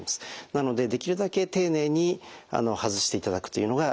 なのでできるだけ丁寧に外していただくというのがよろしいかと思います。